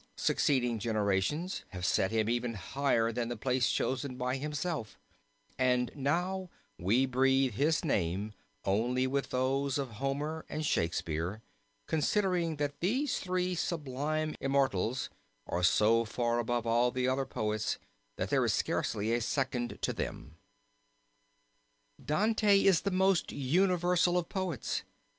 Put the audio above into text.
Succeeding generations have set him even higher than the place chosen by himself and now we breathe his name only with those of Homer and Shakespeare, considering that these three sublime immortals are so far above all other poets that there is scarcely a second to them. Dante is the most universal of poets.